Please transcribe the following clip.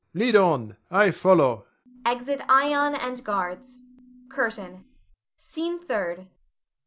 Lead on, I follow. [Exit Ion and guards. CURTAIN. SCENE THIRD.